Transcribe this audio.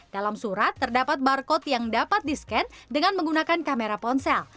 dalam surat terdapat barcode yang dapat di scan dengan menggunakan kamera ponsel